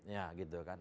ya gitu kan